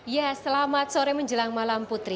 ya selamat sore menjelang malam putri